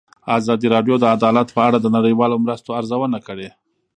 ازادي راډیو د عدالت په اړه د نړیوالو مرستو ارزونه کړې.